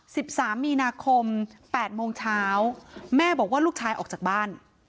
สิบสามมีนาคมแปดโมงเช้าแม่บอกว่าลูกชายออกจากบ้าน